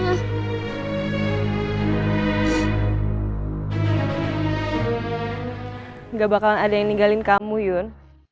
enggak bakalan ada yang ninggalin kamu yun